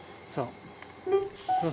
そう。